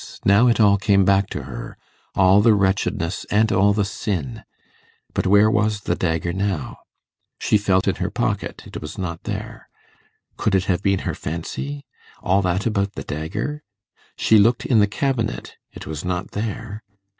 now it all came back to her all the wretchedness and all the sin. But where was the dagger now? She felt in her pocket; it was not there. Could it have been her fancy all that about the dagger? She looked in the cabinet; it was not there.